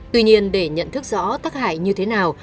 tuy nhiên để nhận thức rõ tác hại như thế nào